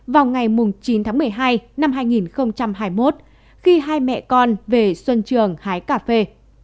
vào ngày chín tháng một mươi hai năm hai nghìn hai mươi một khi hai mẹ con về xuân trường hái cà phê